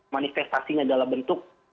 manifestasinya dalam bentuk